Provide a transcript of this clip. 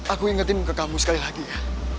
aku ingetin ke kamu sekali lagi ya